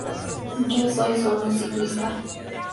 Yo soy solo un ciclista'".